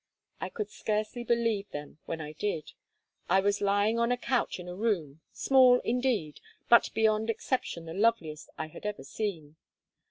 I could scarcely believe them when I did. I was lying on a couch in a room, small, indeed, but beyond exception the loveliest I had ever seen.